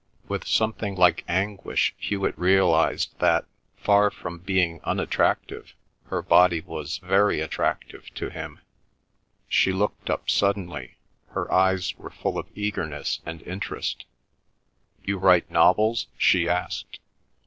With something like anguish Hewet realised that, far from being unattractive, her body was very attractive to him. She looked up suddenly. Her eyes were full of eagerness and interest. "You write novels?" she asked.